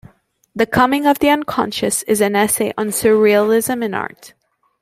"The Coming of the Unconscious" is an essay on surrealism in art.